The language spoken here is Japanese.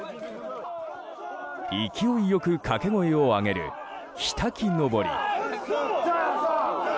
勢いよく掛け声を上げる火たきのぼり。